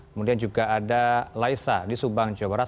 kemudian juga ada laisa di subang jawa barat